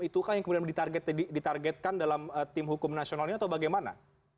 itukah yang kemudian ditargetkan dalam tim hukum nasional ini atau bagaimana